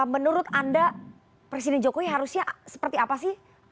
menurut anda presiden jokowi harusnya seperti apa sih